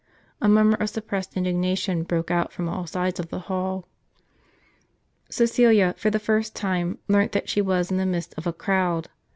A murmur of suppressed indignation broke out from all sides of the hall. Cgecilia, for the first time, learnt that she was in the midst of a crowd.